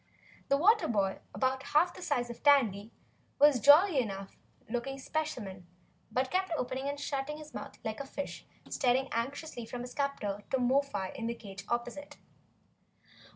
The water boy, about half the size of Tandy, was a jolly enough looking specimen, but kept opening and shutting his mouth like a fish and staring anxiously from his captor to Mo fi in the cage opposite.